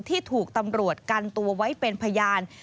ที่ถูกตำรวจกันตัวไว้เป็นพยาน